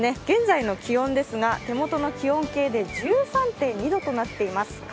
現在の気温ですが手元の気温計で１３．２度となっています。